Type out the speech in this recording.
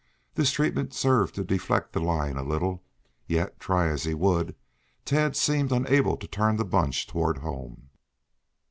This treatment served to deflect the line a little; yet, try as he would, Tad seemed unable to turn the bunch toward home.